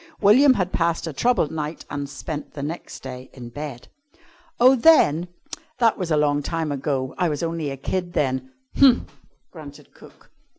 William had passed a troubled night and spent the next day in bed. "Oh, then! That was a long time ago. I was only a kid then." "Umph!" grunted cook.